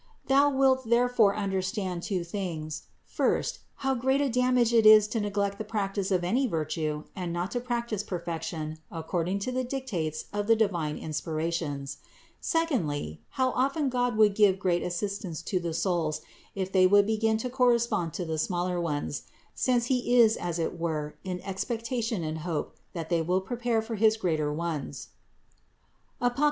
Thou wilt there fore understand two things : first, how great a damage it is to neglect the exercise of any virtue and not to prac tice perfection according to the dictates of the divine in spirations; secondly, how often God would give great assistance to the souls, if they would begin to correspond to the smaller ones ; since He is as it were in expectation and hope that they will prepare for his greater ones (Apoc.